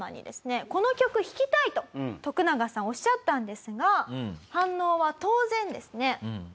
「この曲弾きたい！」とトクナガさんおっしゃったんですが反応は当然ですね。